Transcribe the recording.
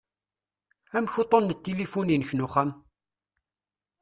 Amek uṭṭun n tilifu-inek n uxxam?